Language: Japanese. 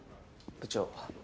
部長。